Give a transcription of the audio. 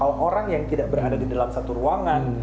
kalau orang yang tidak berada di dalam satu ruangan